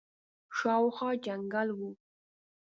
شاوخوا جنګل وو.